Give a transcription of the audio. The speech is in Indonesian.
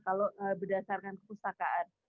kalau berdasarkan kepustakaan